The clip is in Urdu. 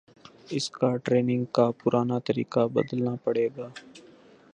اس کا ٹریننگ کا پرانا طریقہ بدلنا پڑے گا